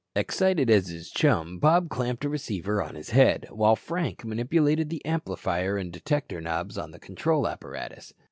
Excited as his chum, Bob clamped a receiver on his head, while Frank manipulated the "amplifier" and "detector" knobs on the control apparatus.